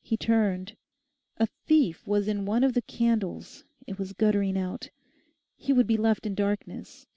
He turned. A thief was in one of the candles. It was guttering out. He would be left in darkness.